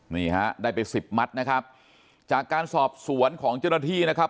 นี่ฮะได้ไปสิบมัดนะครับจากการสอบสวนของเจ้าหน้าที่นะครับ